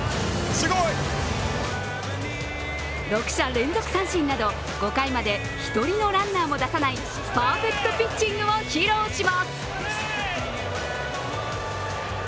６者連続三振など５回まで１人のランナーも出さないパーフェクトピッチングを披露します。